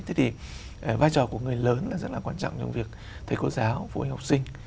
thế thì vai trò của người lớn là rất là quan trọng trong việc thầy cô giáo phụ huynh học sinh